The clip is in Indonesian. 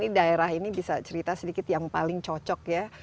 ini daerah ini bisa cerita sedikit yang paling cocok ya